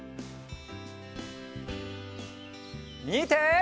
みて！